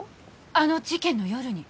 あの事件の夜に？